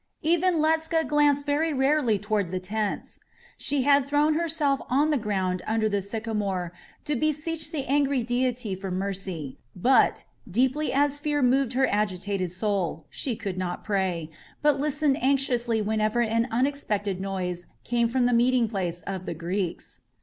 Even Ledscha glanced very rarely toward the tents. She had thrown her self on the ground under the sycamore to beseech the angry deity for mercy, but, deeply as fear moved her agitated soul, she could not pray, but listened anxiously whenever an unexpected noise came from the meeting place of the Greeks.